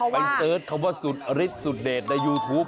เสิร์ชคำว่าสุดฤทธิสุดเดชในยูทูป